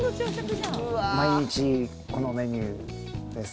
毎日、このメニューです。